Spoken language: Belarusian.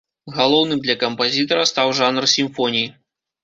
Галоўным для кампазітара стаў жанр сімфоній.